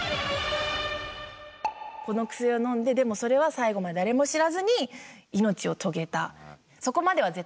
この薬を飲んででもそれは最後まで誰も知らずに命を遂げた。